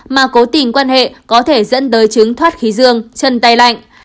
mà cố tình quan hệ có thể dẫn tới chứng thoát khí dương chân tay lạnh